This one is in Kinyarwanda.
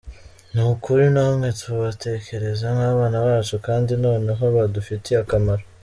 Ni ukuri namwe tubatekereza nk’abana bacu kandi noneho badufitiye akamaro.